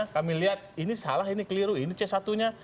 kami lihat ini salah ini keliru ini c satu nya